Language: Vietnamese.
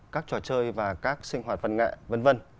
các trò chơi và các sinh hoạt văn nghệ v v